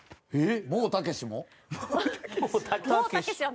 「もうたけし」は。